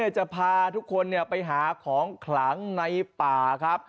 จะพาทุกคนไปหาของขลังในป่าครับ